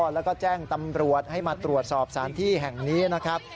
แล้วก็แจ้งตำรวจให้มาตรวจสอบสารที่แห่งนี้นะครับ